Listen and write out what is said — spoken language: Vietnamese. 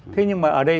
thế nhưng mà ở đây